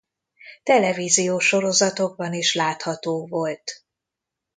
Televíziós sorozatokban is látható volt.